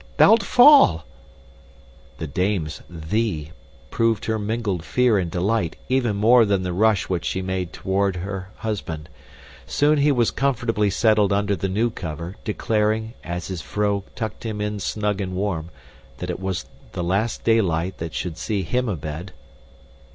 Thou'lt fall!" The dame's thee proved her mingled fear and delight, even more than the rush which she made toward her husband. Soon he was comfortably settled under the new cover, declaring, as his vrouw tucked him in snug and warm, that it was the last daylight that should see him abed.